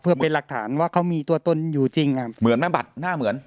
เพื่อเป็นหลักฐานว่าเขามีตัวตนอยู่จริงเหมือนแม่บัตรหน้าเหมือน